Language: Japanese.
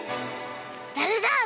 誰だ？